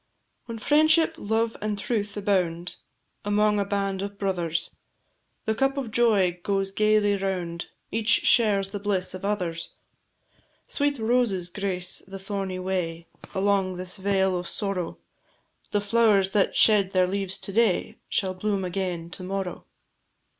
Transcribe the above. When "Friendship, Love, and Truth" abound Among a band of brothers, The cup of joy goes gaily round, Each shares the bliss of others. Sweet roses grace the thorny way Along this vale of sorrow; The flowers that shed their leaves to day Shall bloom again to morrow.